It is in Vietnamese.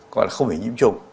còn không phải nhiễm trùng